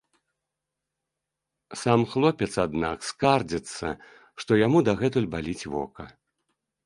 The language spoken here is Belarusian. Сам хлопец, аднак, скардзіцца, што яму дагэтуль баліць вока.